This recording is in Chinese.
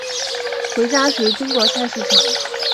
回家时经过菜市场